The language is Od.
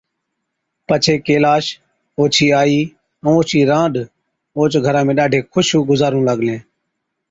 پڇي ڪيلاش، اوڇِي آئِي ائُون اوڇِي رانڏ اوهچ گھرا ۾ ڏاڍين خُوش گُذارُون لاگلين۔